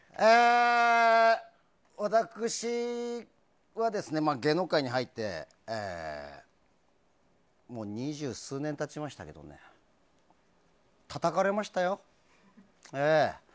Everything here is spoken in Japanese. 私は芸能界に入ってもう二十数年経ちましたけどねたたかれましたよ、ええ。